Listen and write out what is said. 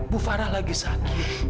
bu farah lagi sakit